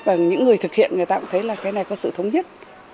và những người thực hiện người ta cũng thấy là cái này có sự thống nhất